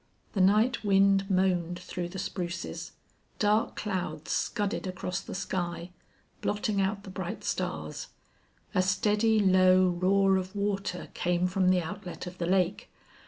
The night wind moaned through the spruces; dark clouds scudded across the sky, blotting out the bright stars; a steady, low roar of water came from the outlet of the lake.